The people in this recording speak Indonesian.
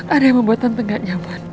ada yang membuat tante gak nyaman